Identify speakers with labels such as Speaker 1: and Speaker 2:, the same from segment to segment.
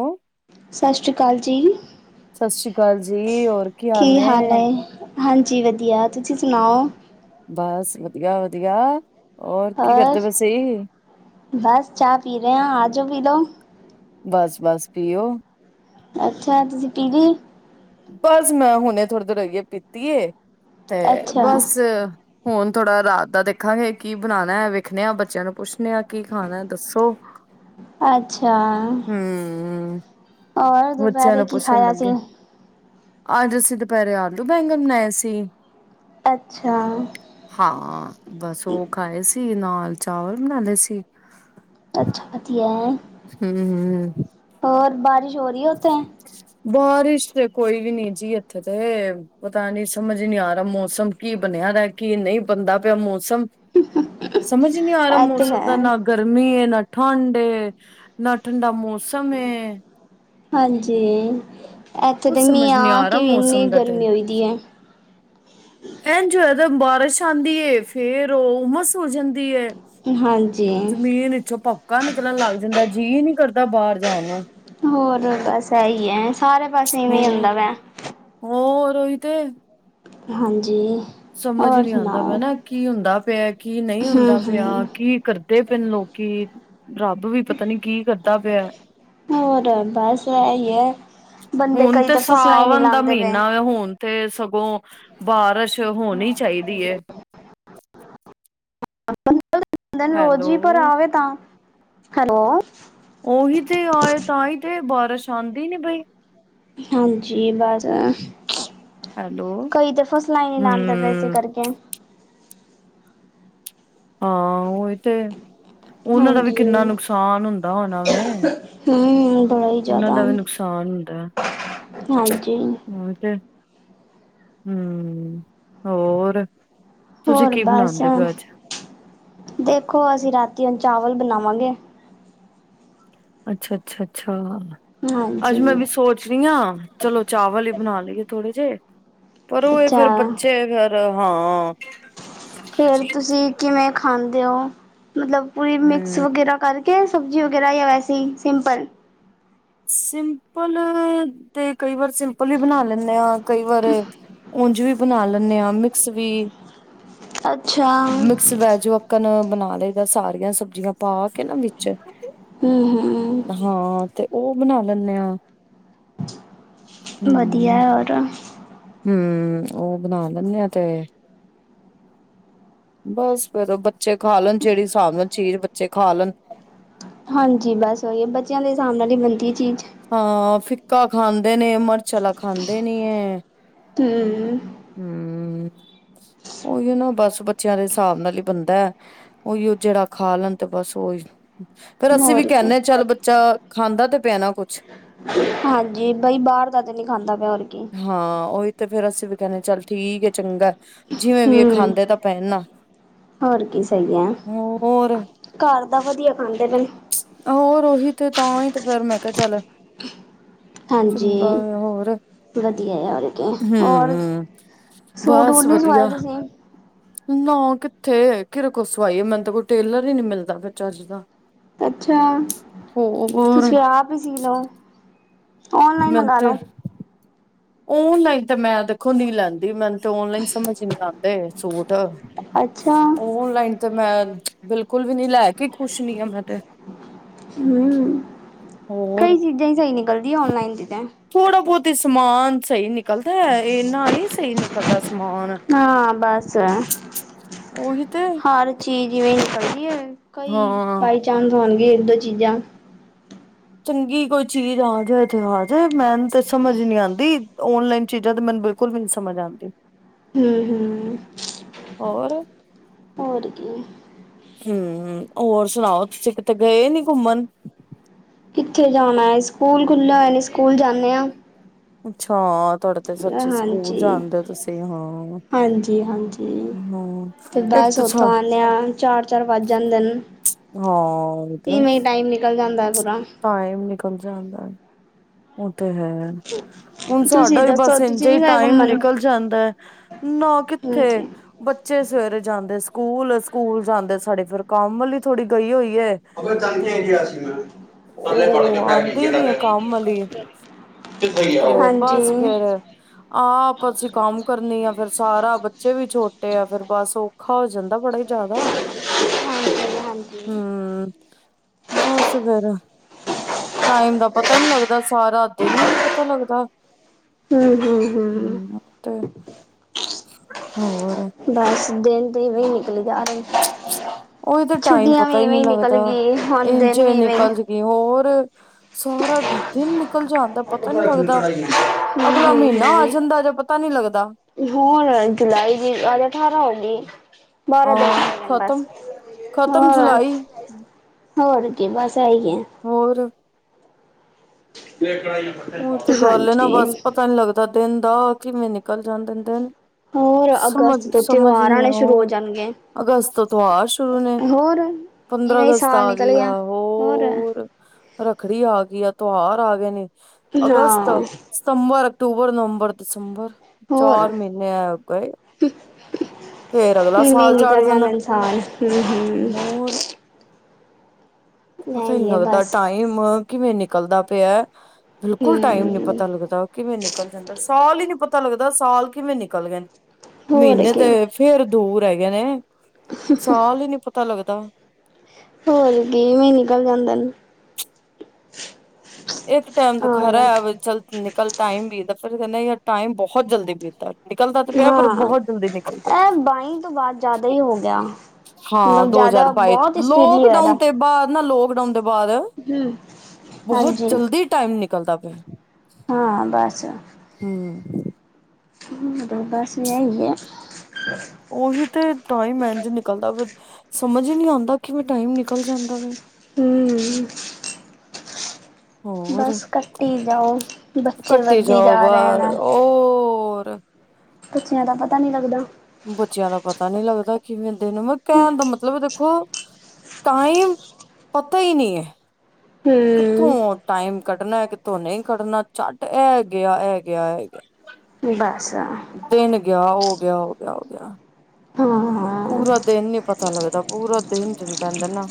Speaker 1: ਓਹ।
Speaker 2: ਸਸ਼੍ਰੀ ਕਾਲ ਜੀ।
Speaker 1: ਸਸ੍ਰੀ ਕਾਲ ਜੀ, ਹੋਰ ਕੀ ਹਾਲ ਨੇ?
Speaker 2: ਹਾਂਜੀ ਵਧੀਆ। ਤੁਸੀਂ ਸੁਨਾਓ?
Speaker 1: ਬਸ ਵਦੀਆ-ਵਦੀਆ, ਔਰ ਕੀ
Speaker 2: ਹੋਰ
Speaker 1: ਕਰਦੇ ਪਏ ਸੀ?
Speaker 2: ਬਸ ਚਾਅ ਪੀ ਰੇਅ ਆ, ਆ ਜੋ ਪੀ ਲੋ।
Speaker 1: ਬਸ-ਬਸ, ਪੀਓ।
Speaker 2: ਅੱਛਾ, ਤੁਸੀਂ ਪੀਜੀ?
Speaker 1: ਬਸ, ਮੈਂ ਹੁਨੇ ਥੋੜੀ ਦੇਰ ਹੋਗੀ ਏ ਪੀਤੀ ਏ, 'ਤੇ
Speaker 2: ਅੱਛਾ
Speaker 1: ਬਸ। ਹੁਨ ਥੋੜਾ ਰਾਤ ਦਾ ਦੇਖਾਂਗੇ ਕੀ ਬਨਾਨੈ? ਵੇਖਨੇ ਆ, ਬੱਚਿਆਂ ਨੂੰ ਪੁੱਛਨੇ ਆ, ਕੀ ਖਾਨੈ ਦੱਸੋ? [inaudible]
Speaker 2: ਅੱਛਾ,
Speaker 1: ਹੂੰ
Speaker 2: ਔਰ
Speaker 1: ਬੱਚਿਆਂ
Speaker 2: ਦੁਪੈਰੇ
Speaker 1: ਨੂੰ
Speaker 2: ਕੀ
Speaker 1: ਪੁੱਛਣ
Speaker 2: ਖਾਇਆ ਸੀ?
Speaker 1: ਲੱਗੇ ਅੱਜ ਅਸੀਂ ਦੁਪਹਿਰੇ ਆਲੂ -ਬੈਂਗਣ ਬਨਾਏ ਸੀ।
Speaker 2: ਅੱਛਾ।
Speaker 1: ਹਾਂ, ਬਸ ਉਹ ਖਾਏ ਸੀ, ਨਾਲ ਚਾਵਲ ਬਨਾ ਲਏ ਸੀ।
Speaker 2: ਅੱਛਾ, ਵਦੀਆ।
Speaker 1: ਹੂੰ- ਹੂੰ।
Speaker 2: ਹੋਰ ਬਾਰਿਸ਼ ਹੋ ਰੀ ਏ ਉੱਥੇ?
Speaker 1: ਬਾਰਿਸ਼ ਤੇ ਕੋਈ ਵੀ ਨੀ ਜੀ ਇੱਥੇ 'ਤੇ। ਪਤਾ ਨੀ, ਸਮਝ ਨੀ ਆ ਰੇਆ ਮੌਸਮ ਕੀ ਬਨਿਆ ਦੈ, ਕੀ ਨਈ ਬਨਦਾ ਪੇਆ ਮੌਸਮ। ਸਮਝ ਨੀ ਆ ਰੇਆ
Speaker 2: ਇਹ ਤੇ
Speaker 1: ਮੌਸਮ ਦਾ
Speaker 2: ਹੈ
Speaker 1: ਨਾ ਗਰਮੀ ਏ, ਨਾ ਠੰਡ ਏ, ਨਾ ਠੰਡਾ ਮੌਸਮ ਏ।
Speaker 2: ਹਾਂਜੀ, ਐੱਥੇ
Speaker 1: ਕੁੱਝ
Speaker 2: ਤੇ ਮੀਂਅ
Speaker 1: ਸਮਝ ਨੀ
Speaker 2: ਆ
Speaker 1: ਰਿਹਾ
Speaker 2: ਕੇ ਵੀ ਐੰਨੀ
Speaker 1: ਮੌਸਮ ਦਾ ਤੇ
Speaker 2: ਗਰਮੀ ਹੋਈ ਦੀ ਏ।
Speaker 1: ਐਂਜ ਹੋਇਆ ਦੈ, ਬਾਰਿਸ਼ ਆਂਦੀ ਏ, ਫੇਰ ਉਹ ਉਮਸ ਹੋ ਜਾਂਦੀ ਏ।
Speaker 2: ਹਾਂਜੀ
Speaker 1: ਜ਼ਮੀਨ ਵਿੱਚੋ ਭਬੱਕਾ ਨਿਕਲਨ ਲੱਗ ਜਾਂਦਾ, ਜੀਅ ਨੀ ਕਰਦਾ ਬਾਰ ਜਾਨ ਨੂੰ।
Speaker 2: ਹੋਰ ਬਸ ਐਈ ਐ, ਸਾਰੇ ਪਾਸੇ ਇਵੇਂ
Speaker 1: ਹੋਰ
Speaker 2: ਹੁੰਦਾ ਪਿਐ।
Speaker 1: ਹੋਰ ਓਈ 'ਤੇ।
Speaker 2: ਹਾਂਜੀ।
Speaker 1: ਸਮਝ ਈ
Speaker 2: ਹੋਰ
Speaker 1: ਨਈ ਆਂਦਾ
Speaker 2: ਸੁਣਾਓ
Speaker 1: ਪੇਆ ਕੀ ਹੁੰਦਾ ਪੇਐ, ਕੀ ਨਈ ਹੁੰਦਾ
Speaker 2: ਹੂੰ
Speaker 1: ਪੇਆ,
Speaker 2: ਹੂੰ
Speaker 1: ਕੀ? ਕਰਦੇ ਪਏ ਨੇ ਲੋਕੀ, ਰੱਬ ਵੀ ਪਤਾ ਨੀ ਕੀ ਕਰਦਾ ਪੇਐ?
Speaker 2: ਹੋਰ ਬਸ ਐਈ ਐ, ਬੰਦੇ
Speaker 1: ਹੁਣ
Speaker 2: ਕਈ
Speaker 1: ਤੇ
Speaker 2: ਤਾ ਫਸਲਾਂ ਈ ਨਈ
Speaker 1: ਸਾਵਣ ਦਾ
Speaker 2: ਲਾਂਦੇ ਪਏ।
Speaker 1: ਮਹੀਨਾ ਵ ਹੁਣ 'ਤੇ ਸਗੋਂ ਬਾਰਿਸ਼ ਹੋਨੀ ਚਾਈਦੀ ਏ।
Speaker 2: ਦਿਨ ਰੋਜ਼
Speaker 1: ਹੈਲੋ
Speaker 2: ਹੀ ਪਰ ਆਵੇ ਤਾਂ। ਹੈਲੋ
Speaker 1: ਉਹੀ ਤੇ ਆਏ ਤਾਂ ਹੀ ਤੇ ਬਾਰਿਸ਼ ਆਂਦੀ ਨੀ ਪਈ।
Speaker 2: ਹਾਂਜੀ ਬਸ।
Speaker 1: ਹੈਲੋ
Speaker 2: ਕਈ ਤੇ ਫਸਲਾਂ ਈ ਨਹੀ ਲਾਂਦੇ ਪਏ ਐਸੇ
Speaker 1: ਹਮ
Speaker 2: ਕਰਕੇ।
Speaker 1: ਹਾਂ ਉਹੀ ਤੇ ਉਹਨਾਂ ਦਾ ਵੀ
Speaker 2: ਹਾਂਜੀ
Speaker 1: ਕਿੰਨਾ ਨੁਕਸਾਨ ਹੁੰਦਾ ਹੋਣਾ ਵੇ।
Speaker 2: ਹਮ ਬੜਾ ਈ ਜਾਦਾ।
Speaker 1: ਨੁਕਸਾਨ
Speaker 2: ਹਾਂਜੀ
Speaker 1: ਹਾਂ ਤੇ। ਹਮ ਹੋਰ? ਤੁਸੀਂ
Speaker 2: ਹੋਰ
Speaker 1: ਕੀ
Speaker 2: ਬਸ।
Speaker 1: ਬਣਾਉਂਦੇ ਪਏ ਅੱਜ
Speaker 2: ਦੇਖੋ, ਅਸੀਂ ਰਾਤੀ ਹੁਣ ਚਾਵਲ ਬਣਾਵਾਂਗੇ।
Speaker 1: ਅੱਛਾ, ਅੱਛਾ, ਅੱਛਾ।
Speaker 2: ਹਾਂਜੀ
Speaker 1: ਅੱਜ ਮੈਂ ਵੀ ਸੋਚ ਰੀ ਆ। ਚਲੋ, ਚਾਵਲ ਹੀ ਬਣਾ ਲਈਏ ਥੋੜੇ ਜੇ ਪਰ ਉਹ ਇਹ ਫੇਰ
Speaker 2: ਅੱਛਾ
Speaker 1: ਬੱਚੇ ਫੇਰ ਹਾਂ।
Speaker 2: ਫੇਰ ਤੁਸੀਂ ਕਿਵੇਂ ਖਾਂਦੇ ਓ? ਮਤਲਬ ਪੂਰੀ ਮਿਕਸ
Speaker 1: ਹੂੰ
Speaker 2: ਵਗੈਰਾ ਕਰ ਕੇ ਸਬਜ਼ੀ ਵਗੈਰਾ ਯਾ ਵੈਸੀ ਹੀ ਸਿੰਪਲ।
Speaker 1: ਸਿੰਪਲ ਤੇ ਕਈ ਵਾਰ ਸਿੰਪਲ ਹੀ ਬਣਾ ਲੈਂਨੇ ਆਂ, ਕਈ ਵਾਰ ਉਂਝ ਵੀ ਬਣਾ ਲੈਂਨੇ ਆਂ। ਮਿਕਸ ਵੀ
Speaker 2: ਅੱਛਾ
Speaker 1: ਮਿਕਸ ਵੈਜ ਵਾਕਣ ਬਣਾ ਲਈਦੈ ਸਾਰੀਆਂ ਸਬਜ਼ੀਆਂ ਪਾ ਕੇ ਨਾ ਵਿੱਚ।
Speaker 2: ਹਮ ਹਮਮ
Speaker 1: ਹਾਂ ਤੇ ਉਹ ਬਣਾ ਲੈਣੇ ਆਂ।
Speaker 2: ਵਧੀਆ ਔਰ।
Speaker 1: ਹਮ ਉਹ ਬਣਾ ਲੈਣੇ ਆਂ ਤੇ ਬਸ ਫੇਰ ਉਹ ਬੱਚੇ ਖਾ ਲੈਣ ਜਿਹੜੀ ਸਾਬ ਨਾਲ ਚੀਜ਼ ਬੱਚੇ ਖਾ ਲੈਣ।
Speaker 2: ਹਾਂਜੀ, ਬਸ ਉਹੀ ਬੱਚਿਆਂ ਦੇ ਹਿਸਾਬ ਨਾਲ ਈ ਬਣਦੀ ਏ ਚੀਜ਼।
Speaker 1: ਹਾਂ ਫਿੱਕਾ ਖਾਂਦੇ ਨੇ ਮਿਰਚ ਆਲਾ ਖਾਂਦੇ ਨੀ ਐ।
Speaker 2: ਹਮ
Speaker 1: ਹਮ, ਉਹੀਓ ਨਾ ਬਸ ਬੱਚਿਆਂ ਦੇ ਹਿਸਾਬ ਨਾਲ ਹੀ ਬਣਦੈ। ਉਹੀਓ ਜਿਹੜਾ ਖਾ ਲੈਣ ਤੇ ਬਸ ਓਈ। ਫੇਰ ਅਸੀਂ ਵੀ
Speaker 2: ਹੋਰ ਕੀ
Speaker 1: ਕਹਿਨੇ ਹਾਂ ਚੱਲ ਬੱਚਾ ਖਾਂਦਾ ਤੇ ਪਿਐ ਨਾ ਕੁਛ।
Speaker 2: ਹਾਂਜੀ, ਬਈ ਬਾਰ ਦਾ ਤੇ ਨਹੀਂ ਖਾਂਦਾ ਪਿਆ ਹੋਰ ਕੀ।
Speaker 1: ਹਾਂ ਉਹੀ ਤੇ ਫੇਰ ਅਸੀਂ ਵੀ ਕਹਿੰਨੇ ਚੱਲ ਠੀਕ ਏ ਚੰਗੈ। ਜਿਵੇਂ ਵੀ ਏ
Speaker 2: ਹੂੰ
Speaker 1: ਖਾਂਦੇ ਤਾਂ ਪਏ ਨਾ
Speaker 2: ਹੋਰ ਕੀ ਸਈ ਐ,
Speaker 1: ਹੋਰ
Speaker 2: ਘਰ ਦਾ ਵਧੀਆ ਖਾਂਦੇ ਪਏ ਨੇ।
Speaker 1: ਹੋਰ ਉਹੀ ਤੇ ਤਾਂ ਹੀ ਤੇ ਫੇਰ ਮੈਂ ਕਿਹਾ ਚੱਲ
Speaker 2: ਹਾਂਜੀ
Speaker 1: ਚੰਗਾ ਹੋਰ
Speaker 2: ਵਧੀਐ ਯਾਰ ਤੇ
Speaker 1: ਹੂੰ
Speaker 2: ਹੋਰ ਸੂਟ-ਵੂਟ
Speaker 1: ਬਸ
Speaker 2: ਨੀ ਸਵਾਏ
Speaker 1: ਵਧੀਆ
Speaker 2: ਤੁਸੀਂ?
Speaker 1: ਨਾ ਕਿੱਥੇ ਕਿਹਦੇ ਕੋਲ ਸਵਾਈਏ ਮੈਨੂੰ ਕੋਈ ਟੇਲਰ ਈ ਨੀ ਮਿਲਦਾ ਬੇਆਂ ਚੱਜ ਦਾ।
Speaker 2: ਅੱਛਾ
Speaker 1: ਹੋਰ
Speaker 2: ਤੁਸੀਂ ਆਪ ਈ ਸੀ ਲੋ। ਔਨਲਾਈਨ
Speaker 1: ਮੈਂਨ
Speaker 2: ਮੰਗਾ
Speaker 1: ਤੇ ਔਨਲਾਈਨ ਤੇ ਮੈਂ ਦੇਖੋ ਨੀ ਲੈਂਦੀ ਮੈਨੂੰ ਤੇ ਔਨਲਾਈਨ ਸਮਝ ਨੀਂ ਆਂਦੇ ਸੂਟ
Speaker 2: ਅੱਛਾ
Speaker 1: ਔਨਲਾਈਨ ਤੇ ਮੈਂ ਬਿਲਕੁਲ ਵੀ ਨੀ ਲੈ ਕੇ ਖੁਸ਼ ਨੀ ਆ ਮੈਂ ਤੇ
Speaker 2: ਹਮ
Speaker 1: ਹੋਰ
Speaker 2: ਕਈ ਚੀਜ਼ਾਂ ਈ ਸਈ ਨਿਕਲਦੀਐ ਔਨਲਾਈਨ ਦੀ ਤੇ।
Speaker 1: ਥੋੜਾ ਬੋਤ ਈ ਸਮਾਨ ਸਈ ਨਿਕਲਦੈ ਇੰਨਾ ਨੀ ਸਹੀ ਨਿਕਲਦਾ ਸਮਾਨ।
Speaker 2: ਹਾਂ ਬਸ
Speaker 1: ਓਹੀ ਤੇ
Speaker 2: ਹਰ ਚੀਜ਼ ਇਵੇਂ ਨਿਕਲਦੀ ਏ ਕਈ
Speaker 1: ਹਾਂ
Speaker 2: ਬਾਈ ਚਾਂਸ ਹੋਣਗੇ ਇੱਕ ਦੋ ਚੀਜ਼ਾਂ
Speaker 1: ਚੰਗੀ ਕੋਈ ਚੀਜ਼ ਆ ਜਾਏ ਤੇ ਆਜੇ, ਮੈਨੂੰ ਤੇ ਸਮਝ ਨੀ ਆਂਦੀ ਓਨਲਾਈਨ ਚੀਜ਼ਾਂ ਤੇ ਮੈਨੂੰ ਬਿਲਕੁਲ ਵੀ ਨੀਂ ਸਮਝ ਆਂਦੀ।
Speaker 2: ਹੂੰ-ਹੂੰ।
Speaker 1: ਔਰ
Speaker 2: ਔਰ ਕੀ
Speaker 1: ਹੂੰ, ਹੋਰ ਸੁਨਾਓ ਤੁਸੀਂ ਕਿਤੇ ਗਏ ਨੀ ਘੁੰਮਨ?
Speaker 2: ਕਿੱਥੇ ਜਾਨਾ ਐ, ਸਕੂਲ ਖੁੱਲ੍ਹੇ ਹੋਏ ਨੇ ਸਕੂਲ ਜਾਂਨੇ ਆਂ।
Speaker 1: ਅੱਛਾ ਹਾਂ ਤੁਆਡੇ ਤੇ ਸੱਚੀ ਸਕੂਲ
Speaker 2: ਹਾਂਜੀ
Speaker 1: ਜਾਂਦੇ ਤੁਸੀਂ ਹਾਂ
Speaker 2: ਹਾਂਜੀ ਹਾਂਜੀ
Speaker 1: ਹੂੰ।
Speaker 2: ਤੇ ਬਸ ਓਥੋਂ ਆਨੇ ਆਂ ਚਾਰ-ਚਾਰ ਵੱਜ ਜਾਂਦੇਨ।
Speaker 1: ਹਾਂ ਤੇ
Speaker 2: ਇਵੇਂ ਈ ਟਾਈਮ ਨਿਕਲ ਜਾਂਦਾ ਐ ਪੂਰਾ।
Speaker 1: ਟਾਈਮ ਨਿਕਲ ਜਾਂਦਾ। ਓ ਤੇ ਹੈ।
Speaker 2: [inaudible]
Speaker 1: ਹੁਨ ਸਾਡਾ ਹੀ
Speaker 2: ਦੱਸੋ
Speaker 1: ਬਸ
Speaker 2: ਤੁਸੀਂ
Speaker 1: ਇੰਜੇ ਹੀ
Speaker 2: ਨੀ ਗਏ
Speaker 1: ਟਾਈਮ
Speaker 2: ਘੁੰਮਣ
Speaker 1: ਨਿਕਲ ਜਾਂਦਾ ਐ, ਨਾ ਕਿੱਥੇ
Speaker 2: ਹਾਂਜੀ
Speaker 1: ਬੱਚੇ ਸਵੇਰੇ ਜਾਂਦੇ ਸਕੂਲ, ਸਕੂਲ ਜਾਂਦੇ ਸਾਡੇ ਫਿਰ ਕੰਮ ਆਲੀ ਥੋੜੀ ਗਈ ਹੋਈ ਏ। ਉਹ ਆਉਂਦੀ ਨੀ
Speaker 2: [unintelligible]
Speaker 1: ਹੈ ਕੰਮ ਵਾਲੀ ਤੇ ਬਸ
Speaker 2: ਹਾਂਜੀ।
Speaker 1: [unintelligible] ਆਪ ਅਸੀਂ ਕੰਮ ਕਰਨੀ ਆ ਫੇਰ ਸਾਰਾ ਬੱਚੇ ਵੀ ਛੋਟੇ ਆ ਫੇਰ ਬਸ ਔਖਾ ਹੋ ਜਾਂਦਾ ਬੜਾ ਈ ਜਾਦਾ,
Speaker 2: ਹਾਂਜੀ ਹਾਂਜੀ
Speaker 1: ਹੂੰ, ਬਸ ਫੇਰ ਟਾਈਮ ਦਾ ਪਤਾ ਈ ਨੀ ਲੱਗਦਾ ਸਾਰਾ ਦਿਨ ਈ ਨੀ ਪਤਾ ਲੱਗਦਾ।
Speaker 2: ਹੂੰ, ਹੂੰ, ਹੂੰ।
Speaker 1: [unintelligible] ਹੋਰ
Speaker 2: ਬਸ ਦਿਨ ਤੇ ਐਵੇਂ ਈ ਨਿਕਲੀ ਜਾ ਰਏ ਨ।
Speaker 1: ਓਹੀ ਤਾਂ ਟਾਈਮ ਪਤਾ ਈ ਨੀ ਲੱਗਦਾ
Speaker 2: ਹੁਣ
Speaker 1: ਇੰਜ
Speaker 2: ਦਿਨ
Speaker 1: ਏ
Speaker 2: ਵੀ ਇਵੇਂ ਹੀ
Speaker 1: ਨਿਕਲ ਸਕੀ ਹੋਰ ਸਾਰਾ ਦਿਨ ਨਿਕਲ ਜਾਂਦਾ ਪਤਾ ਨੀ ਲੱਗਦਾ।
Speaker 2: ਕੜਾਈ ਹਮ
Speaker 1: ਅਗਲਾ
Speaker 2: ਹਮ
Speaker 1: ਮਹੀਨਾ ਆ
Speaker 2: ਹਮ
Speaker 1: ਜਾਂਦਾ ਜਾਂ ਪਤਾ ਨੀ ਲੱਗਦਾ।
Speaker 2: ਹੋਰ, ਜੁਲਾਈ ਦੀ ਅੱਜ ਅਠਾਰਾਂ ਹੋ ਗੀ। ਬਾਂਰਾ ਦਿਨ
Speaker 1: ਹਾਂ
Speaker 2: ਪਏ ਨੇ ਬਸ,
Speaker 1: ਖਤਮ ਖਤਮ
Speaker 2: ਹੋਰ,
Speaker 1: ਜੁਲਾਈ
Speaker 2: ਹੋਰ। ਕਿ ਬਸ ਐਈ ਐ।
Speaker 1: ਹੋਰ
Speaker 2: [unintelligible]
Speaker 1: ਓਹੀ ਤੇ ਗੱਲ ਏ ਨਾ
Speaker 2: ਹਾਂਜੀ
Speaker 1: ਬਸ ਪਤਾ ਨੀ ਲੱਗਦਾ ਦਿਨ ਦਾ, ਕਿਵੇਂ ਨਿਕਲ ਜਾਂਦੇ ਨ ਦਿਨ।
Speaker 2: ਹੋਰ
Speaker 1: ਸਮਝ,
Speaker 2: ਅਗਸਤ ਤੋਂ
Speaker 1: ਸਮਝ ਈ
Speaker 2: ਤਿਉਹਾਰ
Speaker 1: ਨੀ
Speaker 2: ਆਉਣੇ ਸ਼ੁਰੂ ਹੋ
Speaker 1: ਔਰ
Speaker 2: ਜਾਣਗੇ
Speaker 1: ਅਗਸਤ ਤੋਂ ਤਿਓਹਾਰ ਸ਼ੁਰੂ ਨੇ,
Speaker 2: ਹੋਰ
Speaker 1: ਪੰਦਰਾਂ
Speaker 2: ਇਵੇਂ ਹੀ
Speaker 1: ਅਗਸਤ
Speaker 2: ਸਾਲ
Speaker 1: ਆ
Speaker 2: ਨਿਕਲ
Speaker 1: ਗਈ
Speaker 2: ਗਿਆ
Speaker 1: ਆ ਹੋਰ। ਰੱਖੜੀ ਆ ਗਈ ਆ, ਤੋਹਾਰ ਆ ਗਏ ਨੇ ਅਗਸਤ
Speaker 2: ਹਾਂ
Speaker 1: ਸਤੰਬਰ, ਅਕਤੂਬਰ, ਨਵੰਬਰ, ਦਸੰਬਰ,
Speaker 2: ਹੋਰ
Speaker 1: ਚਾਰ ਮਹੀਨੇ ਐ ਗਏ। ਫੇਰ ਅਗਲਾ
Speaker 2: ਇਵੇਂ ਈ
Speaker 1: ਸਾਲ ਚੜ
Speaker 2: ਨਿਕਲ
Speaker 1: ਜਾਂਦਾ
Speaker 2: ਜਾਂਦੇ ਨ ਸਾਲ ਹੂੰ ਹੂੰ।
Speaker 1: ਹੋਰ
Speaker 2: ਐ
Speaker 1: ਪਤਾ ਈ ਨੀ
Speaker 2: ਹੀ ਹੈ
Speaker 1: ਲੱਗਦਾ
Speaker 2: ਬਸ
Speaker 1: ਟਾਈਮ ਕਿਵੇਂ ਨਿਕਲਦਾ ਪੇਆ ਬਿਲਕੁਲ ਟਾਈਮ ਨੀ ਪਤਾ
Speaker 2: ਹੂੰ
Speaker 1: ਤਾ ਲੱਗਦਾ ਕਿਵੇਂ ਨਿਕਲ ਜਾਂਦਾ, ਸਾਲ ਈ ਨੀ ਪਤਾ ਲੱਗਦਾ ਸਾਲ ਕਿਵੇਂ ਨਿਕਲ ਗਏ ਨ।
Speaker 2: ਹੋਰ
Speaker 1: ਮੀਨੇ ਤੇ
Speaker 2: ਕੀ
Speaker 1: ਫੇਰ ਦੂਰ ਹੈਗੇ ਨੇ, ਸਾਲ ਈ ਨੀ ਪਤਾ ਲੱਗਦਾ।
Speaker 2: ਹੋਰ ਕਿ ਇਵੇਂ ਈ ਨਿਕਲ ਜਾਂਦੇ ਨ।
Speaker 1: ਇੱਕ ਟਾਈਮ ਤੇ ਖਰਾ ਹੈ ਬਈ ਚੱਲ ਨਿਕਲ ਟਾਈਮ ਬੀਤਦਾ, ਫਿਰ ਕੈਂਦੇ ਯਾਰ ਟਾਈਮ ਬੋਹਤ ਜਲਦੀ ਬੀਤਦਾ। ਨਿਕਲਦਾ ਤੇ ਪੇਆ ਪਰ
Speaker 2: ਹਾਂ
Speaker 1: ਬੋਹਤ ਜਲਦੀ ਨਿਕਲਦੈ।
Speaker 2: ਇਹ ਬਾਈ ਤੋਂ ਬਾਅਦ ਜ਼ਿਆਦਾ ਹੀ ਹੋ ਗਿਆ
Speaker 1: ਹਾਂ,
Speaker 2: ਮਤਲਬ
Speaker 1: ਦੋ ਹਜ਼ਾਰ
Speaker 2: ਜ਼ਿਆਦਾ
Speaker 1: ਬਾਈ
Speaker 2: ਬਹੁਤ ਸਪੀਡਲੀ
Speaker 1: ਲੋਕਡਾਊਨ ਤੇ ਬਾਅਦ ਨਾ ਲੋਕਡਾਊਨ ਦੇ ਬਾਅਦ
Speaker 2: ਹਮ, ਹਾਂਜੀ!
Speaker 1: ਈ ਟਾਈਮ ਨਿਕਲਦਾ ਪਿਆ ਏ
Speaker 2: ਹਾਂ, ਬਸ।
Speaker 1: ਹਮ!
Speaker 2: [unintelligible] ਤੇ ਬਸ ਇਹੀ ਐ।
Speaker 1: ਉਹੀ ਤੇ, ਟਾਈਮ ਇੰਝ ਨਿਕਲਦਾ ਪਿਆ ਵਾ ਸਮਝ ਹੀ ਨਹੀਂ ਆਉਂਦਾ ਕਿਵੇ ਟਾਈਮ ਨਿਕਲ ਜਾਂਦਾ ਵੇ।
Speaker 2: ਹੁੰ।
Speaker 1: ਹੋਰ
Speaker 2: ਬਸ ਕੱਟੀ ਜਾਓ, ਬੱਚੇ
Speaker 1: ਕੱਟੀ
Speaker 2: ਵੱਧੀ ਜਾ
Speaker 1: ਜਾਓ
Speaker 2: ਰਹੇ
Speaker 1: ਬਸ
Speaker 2: ਨੇ।
Speaker 1: ਹੋਰ
Speaker 2: ਬੱਚਿਆਂ ਦਾ ਪਤਾ ਨੀਂ ਲੱਗਦਾ।
Speaker 1: ਬੱਚਿਆਂ ਦਾ ਪਤਾ ਨੀ ਲੱਗਦਾ ਕਿਵੇਂ ਦਿਨ ਮ ਕਹਿਣ ਦਾ ਮਤਲਬ ਦੇਖੋ ਟਾਈਮ ਪਤਾ ਈ ਨੀਂ ਏ, ਕਿੱਥੋਂ ਆ
Speaker 2: ਹੂੰ
Speaker 1: ਟਾਈਮ ਕੱਢਣਾ ਕਿੱਥੋਂ ਨਹੀਂ ਕੱਢਣਾ ਝੱਟ ਐ ਗਿਆ, ਇਹ ਗਿਆ, ਇਹ ਗਿਆ।
Speaker 2: ਬਸ ਹਾਂ।
Speaker 1: ਦਿਨ ਗਿਆ, ਉਹ ਗਿਆ, ਉਹ ਗਿਆ, ਉਹ ਗਿਆ
Speaker 2: ਹਾਂ -ਹਾਂ।
Speaker 1: ਪੂਰਾ ਦਿਨ ਨੀ ਪਤਾ ਲੱਗਦਾ ਪੂਰਾ ਦਿਨ ਜਿੰਨੂ ਕਹਿੰਦੇ ਨਾ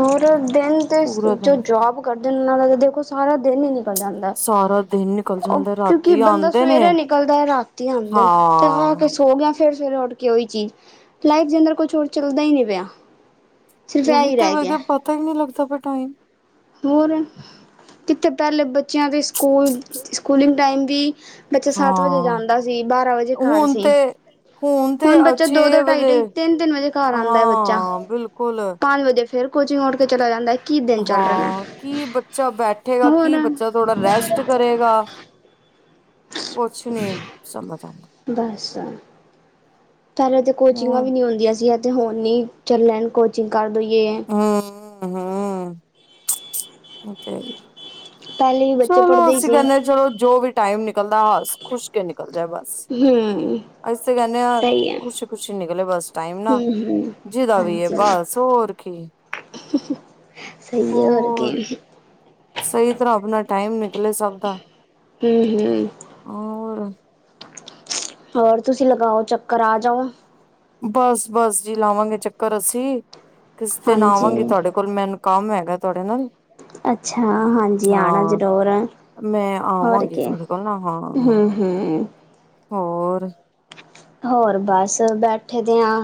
Speaker 2: ਔਰ। ਦਿਨ
Speaker 1: ਪੂਰਾ
Speaker 2: ਜੋ
Speaker 1: ਦਿਨ
Speaker 2: ਜੋਬ ਕਰਦੇ ਨੇ, ਉਹਨਾਂ ਦਾ ਤਾਂ ਦੇਖੋ ਸਾਰਾ ਦਿਨ ਹੀ ਨਿਕਲ ਜਾਂਦਾ।
Speaker 1: ਸਾਰਾ ਦਿਨ ਨਿਕਲ ਜਾਂਦਾ।
Speaker 2: ਉਹ ਕਿਉਂਕਿ
Speaker 1: ਰਾਤੀ
Speaker 2: ਬੰਦਾ
Speaker 1: ਆਉਂਦੇ ਨੇ
Speaker 2: ਸਵੇਰੇ ਨਿਕਲਦਾ ਹੈ ਰਾਤੀ ਆਉਂਦਾ ਨੇ ਤੇ ਆ
Speaker 1: ਹਾਂ
Speaker 2: ਕੇ ਸੋ ਗਿਆ। ਫਿਰ ਸਵੇਰੇ ਉੱਠ ਕੇ ਉਹੀ ਚੀਜ਼, ਲਾਈਫ ਦੇ ਅੰਦਰ ਕੁਛ ਹੋਰ ਚੱਲਦਾ ਹੀ ਨਹੀਂ ਪਿਆ। ਸਿਰਫ ਇਹ ਈ ਰਹਿ ਗਿਆ।
Speaker 1: ਤਾ ਹੀ ਨਹੀਂ ਲਗਦਾ ਪਿਆ ਟਾਈਮ।
Speaker 2: ਹੋਰ, ਕਿੱਥੇ ਪਹਿਲੇ ਬੱਚਿਆਂ ਦੀ ਸਕੂਲ, ਸਕੂਲਿੰਗ ਟਾਈਮ ਵੀ ਬੱਚਾ ਸੱਤ ਵਜੇ
Speaker 1: ਹਾਂ
Speaker 2: ਜਾਂਦਾ ਸੀ, ਬਾਰਾਂ ਵਜੇ ਘਰ
Speaker 1: ਹੁਣ
Speaker 2: ਸੀ।
Speaker 1: ਤੇ ਤੇ
Speaker 2: ਹੁਣ ਬੱਚਾ ਦੋ -ਦੋ
Speaker 1: ਛੇ
Speaker 2: ਢਾਈ
Speaker 1: ਵਜੇ
Speaker 2: -ਢਾਈ ਤਿੰਨ -ਤਿੰਨ ਵਜੇ ਘਰ ਆਉਂਦਾ ਐ ਬੱਚਾ,
Speaker 1: ਹਾਂ ਬਿਲਕੁਲ
Speaker 2: ਪੰਜ ਵਜੇ ਫਿਰ ਕੋਚਿੰਗ ਉੱਠ ਕੇ ਚਲਾ ਜਾਂਦਾ, ਕੀ ਦਿਨ ਚੱਲ ਰਹੇ ਨੇ।
Speaker 1: ਹਾਂ ਕੀ ਬੱਚਾ ਬੈਠੇਗਾ,
Speaker 2: ਹੋਰ
Speaker 1: ਕੀ ਬੱਚਾ ਥੋੜ੍ਹਾ ਰੈਸਟ ਕਰੇਗਾ। ਕੁਛ ਨ੍ਹੀ ਸਮਝ ਆਂਦਾ
Speaker 2: ਦੱਸ ਪਹਿਲੇ ਤਾਂ ਕੋਚਿੰਗਾਂ
Speaker 1: ਆਉਂਦਾ
Speaker 2: ਵੀ ਨਹੀਂ ਹੁੰਦੀਆਂ ਸੀ ਏ ਤੇ ਹੁਣ ਈ [unintelligible] ਕੋਚਿੰਗ ਕਰ ਲਈ ਏ
Speaker 1: ਹੁੰ, ਹੁੰ, ਓ ਤੇ ਹੈਂ।
Speaker 2: ਪਹਿਲੇ ਵੀ ਬੱਚੇ
Speaker 1: ਚਲੋ
Speaker 2: ਪੜ੍ਹਦੇ ਹੀ
Speaker 1: ਅਸੀਂ
Speaker 2: ਸੀ
Speaker 1: ਕਹਿਣੇ ਚਲੋ ਜੋ ਵੀ ਟਾਈਮ ਨਿਕਲਦਾ ਹਸ ਖੁਸ਼ ਕੇ ਨਿਕਲ ਜਾਏ ਬਸ
Speaker 2: ਹੁੰ।
Speaker 1: ਅਸੀ ਤੇ ਕਹਿਣੇ ਆ ਖੁਸ਼ੀ -ਖੁਸ਼ੀ ਨਿਕਲੇ ਬਸ ਟਾਈਮ
Speaker 2: ਹੂੰ
Speaker 1: ਨਾ,
Speaker 2: ਹੂੰ
Speaker 1: ਜਿਹਦਾ ਵੀ ਆ
Speaker 2: ਹਾਂਜੀ
Speaker 1: ਬਸ, ਹੋਰ। ਕੀ
Speaker 2: ਸਹੀ ਏ ਹੋਰ ਕੀ।
Speaker 1: ਸਹੀ ਤਰ੍ਹਾਂ ਆਪਣਾ ਟਾਈਮ ਨਿਕਲੇ ਸਭ ਦਾ
Speaker 2: ਹੂੰ -ਹੂੰ।
Speaker 1: ਔਰ।
Speaker 2: ਹੋਰ ਤੁਸੀਂ ਲਗਾਓ ਚੱਕਰ, ਆ ਜਾਓ।
Speaker 1: ਬਸ -ਬਸ ਜੀ ਲਾਵਾਂਗੇ ਚੱਕਰ ਅਸੀਂ, ਕਿਸੇ ਦਿਨ
Speaker 2: ਹਾਂਜੀ
Speaker 1: ਆਵਾਂਗੇ ਤੁਹਾਡੇ ਕੋਲ਼ ਮੈਨੂੰ ਕੰਮ ਹੈਗਾ ਤੁਹਾਡੇ ਨਾਲ਼
Speaker 2: ਅੱਛਾ, ਹਾਂਜੀ! ਆਣਾ ਜ਼ਰੂਰ।
Speaker 1: ਮੈਂ
Speaker 2: ਹੋਰ
Speaker 1: ਆਵਾਂਗੀ
Speaker 2: ਕੀ
Speaker 1: ਤੁਹਾਡੇ ਕੋਲ਼ ਨਾ, ਹਾਂ।
Speaker 2: ਹੂੰ ਹੂੰ
Speaker 1: ਹੋਰ
Speaker 2: ਹੋਰ ਬਸ ਬੈਠੇ ਦੇ ਆਂ,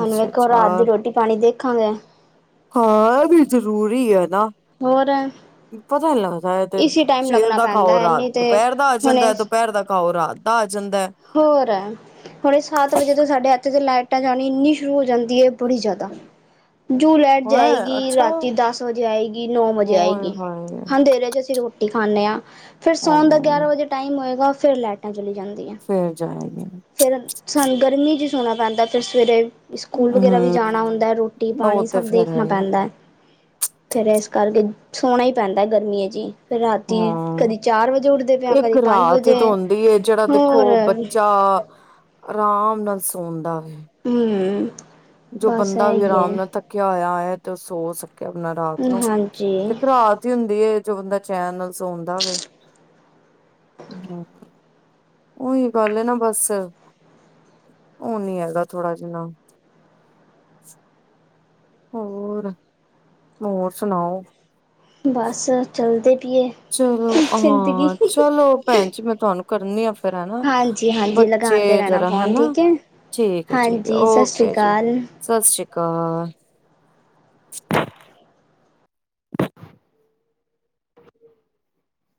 Speaker 2: ਹੁਣ ਵੇਖੋ ਰਾਤ ਦੀ ਰੋਟੀ ਪਾਣੀ ਦੇਖਾਂਗੇ।
Speaker 1: ਹਾਂ, ਐ ਵੀ ਜ਼ਰੂਰੀ ਏ ਨਾ
Speaker 2: ਹੋਰ ਐ
Speaker 1: ਪਤਾ ਨੀ ਲੱਗਦਾ ਐ ਤੇ ਸਵੇਰ
Speaker 2: ਲੱਗਣਾ
Speaker 1: ਦਾ
Speaker 2: ਪੈਂਦਾ
Speaker 1: ਖਾਓ
Speaker 2: ਹੈ
Speaker 1: ਰਾਤ
Speaker 2: ਨਹੀਂ ਤੇ
Speaker 1: ਦੁਪਹਿਰ ਦਾ ਆ
Speaker 2: ਹੁਣੇ
Speaker 1: ਜਾਂਦਾ ਦੁਪਹਿਰ ਦਾ ਖਾਓ ਰਾਤ ਦਾ ਆ ਜਾਂਦੈ।
Speaker 2: ਹੋਰ ਆ ਹੁਣੇ ਸੱਤ ਵਜੇ ਤੋਂ ਸਾਡੇ ਇੱਥੇ ਤੇ ਲਾਈਟਾਂ ਜਾਣੀ ਇੰਨੀ ਸ਼ੁਰੂ ਹੋ ਜਾਂਦੀ ਹੈ ਬੜੀ ਜ਼ਿਆਦਾ ਜੂ ਲਾਈਟ
Speaker 1: ਹੈਂ
Speaker 2: ਜਾਏਗੀ
Speaker 1: ਅੱਛਾ
Speaker 2: ਰਾਤੀਂ ਦਸ ਵਜੇ ਆਏਗੀ ਨੌ ਵਜੇ
Speaker 1: ਓਏ
Speaker 2: ਆਏਗੀ
Speaker 1: ਹੋਏ
Speaker 2: ਅਨਧੇਰੇ ਚ ਅਸੀਂ ਰੋ ਰੋਟੀ ਖਾਂਣੇ ਆ, ਫ਼ਿਰ ਸੋਣ ਦਾ
Speaker 1: ਹਾਂ
Speaker 2: ਗਿਆਰਾਂ ਵਜੇ ਟਾਈਮ ਹੋਏਗਾ ਫ਼ੇਰ ਲਾਈਟਾਂ ਚਲੀ ਜਾਂਦੀਆਂ।
Speaker 1: ਫ਼ੇਰ ਜਾਵਾਂਗੇ।
Speaker 2: ਫੇ਼ਰ ਸਾਨੂੰ ਗਰਮੀ ਚ ਈ ਸੋਣਾ ਪੈਂਦਾ, ਫ਼ਿਰ ਸਵੇਰੇ ਸਕੂਲ ਵਗੈਰਾ ਵੀ ਜਾਣਾ
Speaker 1: ਹਮ
Speaker 2: ਹੁੰਦਾ ਐ, ਰੋਟੀ
Speaker 1: ਉਹ
Speaker 2: ਪਾਣੀ
Speaker 1: ਤੇ
Speaker 2: ਸਭ
Speaker 1: ਫੇਰ ਹੈ
Speaker 2: ਦੇਖਣਾ
Speaker 1: ਹੀ।
Speaker 2: ਪੈਂਦਾ। ਫੇ਼ਰ ਇਸ ਕਰਕੇ ਸੋਣਾ ਈ ਪੈਂਦਾ ਗਰਮੀਆਂ ਚ ਈ ਫਿਰ ਰਾਤੀਂ
Speaker 1: ਹਾਂ
Speaker 2: ਕਦੀ ਚਾਰ ਵਜੇ ਉੱਠਦੇ ਪਏ ਆਂ, ਕਦੀ ਪੰਜ ਵਜੇ ਹੂ
Speaker 1: ਓ ਬੱਚਾ ਅਰਾਮ ਨਾਲ ਸੋਂਦਾ ਵੇ
Speaker 2: ਹੂ
Speaker 1: ਜੋ ਬੰਦਾ ਵੀ ਆਰਾਮ ਨਾਲ ਥੱਕਿਆ ਹੋਇਆਂ ਆਯਾ, ਤੇ ਉਹ ਸੋ ਸਕੇ ਆਪਣਾ ਰਾਤ ਨੂੰ
Speaker 2: ਹਾਂਜੀ
Speaker 1: ਇੱਕ ਰਾਤ ਬਿਜਲੀ ਹੁੰਦੀ ਏ ਜੋ ਬੰਦਾ ਚੈਨ ਨਾਲ਼ ਸੌਣਦਾ ਹੋਵੇ ਹੂ ਉਹੀ ਗੱਲ ਏ ਨਾ ਬਸ, ਉਹ ਨੀ ਹੈਗਾ ਥੋੜ੍ਹਾ ਜਿਨਾ ਹੋਰ ਹੋਰ ਸੁਣਾਓ
Speaker 2: ਬਸ ਚਲਦੀ ਪਈ ਏ
Speaker 1: ਚਲੋ ਹਾਂ, ਚਲੋ ਭੈਣ ਜੀ ਮੈਂ ਤੁਹਾਨੂੰ ਕਰਨੀ ਆ ਫ਼ਿਰ ਹੈਨਾ
Speaker 2: ਹਾਂਜੀ ਹਾਂਜੀ
Speaker 1: ਬੱਚੇ
Speaker 2: ਲਗਾਉਂਦੇ ਰਹਿਣਾ
Speaker 1: ਜ਼ਰਾ
Speaker 2: ਫੋਨ
Speaker 1: ਹਨਾ
Speaker 2: ਠੀਕ ਹੈ
Speaker 1: ਠੀਕ ਹੈ ਠੀਕ ਹੈ
Speaker 2: ਹਾਂਜੀ ਸਤਿ ਸ਼੍ਰੀ
Speaker 1: ਓਕੇ ਜੀ।
Speaker 2: ਅਕਾਲ
Speaker 1: ਸਤਿ ਸ੍ਰੀ ਅਕਾਲ।